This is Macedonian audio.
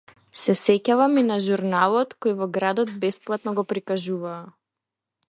Се сеќавам и на журналот кој во градот бесплатно го прикажуваа.